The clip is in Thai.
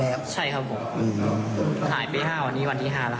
ใช่ครับผมหายไปห้ากวันนี้อันที่ห้าค่ะ